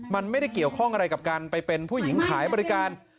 มันไม่ได้เกี่ยวข้องอะไรกับการไปเป็นผู้หญิงขายบริการ